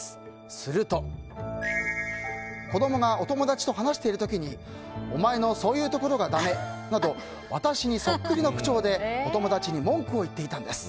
すると子供がお友達と話している時にお前のそういうところがだめなど私にそっくりの口調でお友達に文句を言っていたんです。